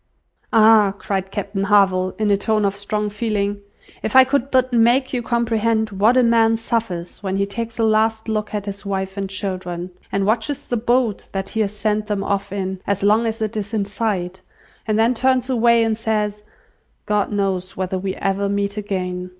"Ah!" cried Captain Harville, in a tone of strong feeling, "if I could but make you comprehend what a man suffers when he takes a last look at his wife and children, and watches the boat that he has sent them off in, as long as it is in sight, and then turns away and says, 'God knows whether we ever meet again!